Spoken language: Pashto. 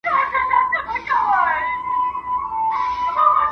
زه اوږده وخت سبزېجات وچوم وم!